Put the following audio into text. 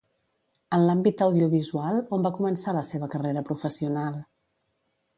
En l'àmbit audiovisual, on va començar la seva carrera professional?